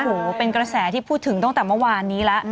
โอ๋เป็นกระแสที่พูดถึงต้องตั้งเมื่อวานนี้แล้ว